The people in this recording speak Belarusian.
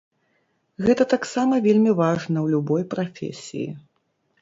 Гэта таксама вельмі важна ў любой прафесіі.